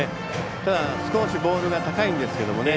ただ、少しボールが高いんですけどね。